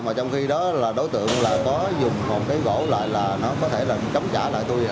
mà trong khi đó là đối tượng là có dùng một cái gỗ lại là nó có thể là mình chống trả lại tôi